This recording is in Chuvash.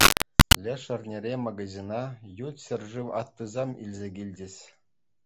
Леш эрнере магазина ют ҫӗршыв аттисем илсе килчӗҫ.